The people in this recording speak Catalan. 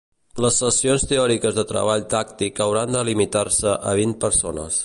Les sessions teòriques de treball tàctic hauran de limitar-se a vint persones.